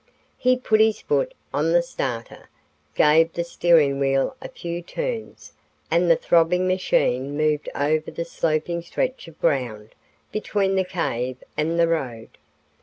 He put his foot on the starter, gave the steering wheel a few turns, and the throbbing machine moved over the sloping stretch of ground between the cave and the road.